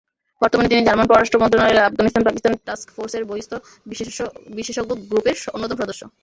বর্তমানে তিনি জার্মান পররাষ্ট্র মন্ত্রণালয়ের আফগানিস্তান-পাকিস্তান টাস্কফোর্সের বহিস্থ বিশেষজ্ঞ গ্রুপের অন্যতম সদস্য।